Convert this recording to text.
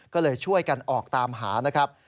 ก็เลยช่วยกันออกตามหานะครับ